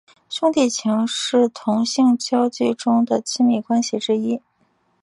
兄弟情是同性交际中的亲密关系之一。